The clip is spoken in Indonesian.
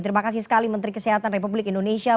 terima kasih sekali menteri kesehatan republik indonesia